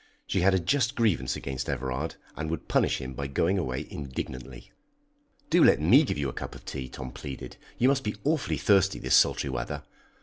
She had a just grievance against Everard, and would punish him by going away indignantly. "Do let me give you a cup of tea," Tom pleaded. "You must be awfully thirsty this sultry weather.